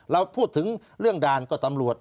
เราพูดถึงเรื่องด่านก็ตำรวจ